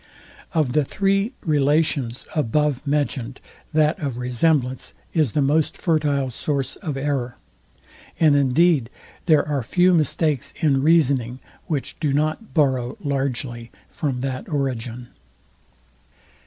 Of the three relations above mentioned that of resemblance is the most fertile source of error; and indeed there are few mistakes in reasoning, which do not borrow largely from that origin.